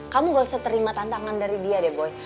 kamu gak usah terima tantangan dari dia deh boy